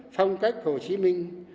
phong cách hồ chí minh